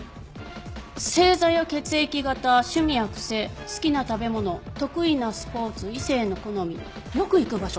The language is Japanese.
星座や血液型趣味や癖好きな食べ物得意なスポーツ異性の好みよく行く場所。